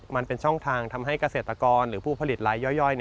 มันเป็นช่องทางทำให้เกษตรกรหรือผู้ผลิตลายย่อย